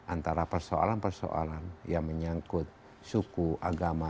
antara persoalan persoalan yang menyangkut suku agama